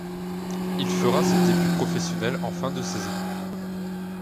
Il fera ses débuts professionnels en fin de saison.